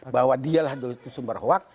bahwa dia dulu itu sumber hoax